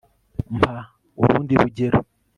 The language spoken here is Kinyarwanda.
mpa urundi rugero